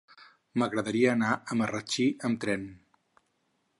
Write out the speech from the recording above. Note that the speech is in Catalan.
M'agradaria anar a Marratxí amb tren.